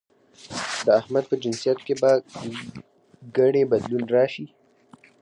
د احمد په جنسيت کې به ګنې بدلون راشي؟